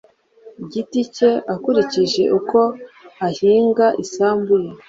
giti ke akurikije uko ahinga isambu ye,